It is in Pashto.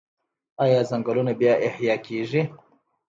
آیا ځنګلونه بیا احیا کیږي؟